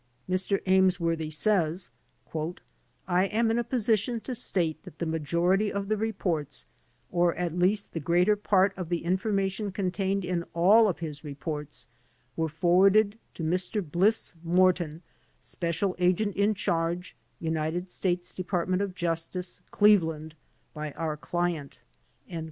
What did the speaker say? Mr. Amesworthy says: "I am in a position to state that the majority of the reports, or at least the greater part of the information contained in all of his reports, were forwarded to Mr. Bliss Morton, Special Agent in Charge, United States Department of Justice, Cleveland, by our client."